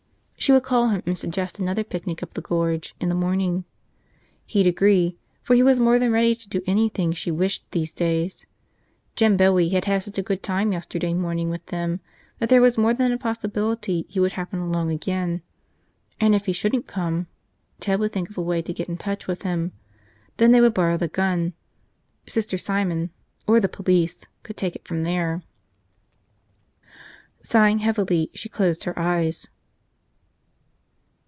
She would call him and suggest another picnic up the Gorge in the morning. He'd agree, for he was more than ready to do anything she wished, these days. Jim Bowie had had such a good time yesterday morning with them that there was more than a possibility he would happen along again. And if he shouldn't come, Ted would think of a way to get in touch with him. Then they would borrow the gun. Sister Simon – or the police – could take it from there. Sighing heavily, she closed her eyes.